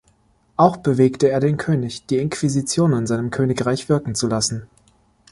Auch bewegte er den König, die Inquisition in seinem Königreich wirken zu lassen.